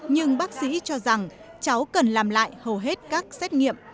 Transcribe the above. nhưng bác sĩ cho rằng cháu cần làm lại hầu hết các xét nghiệm